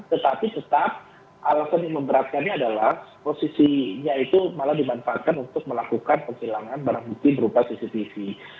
tetapi tetap alasan yang memberatkannya adalah posisinya itu malah dimanfaatkan untuk melakukan penghilangan barang bukti berupa cctv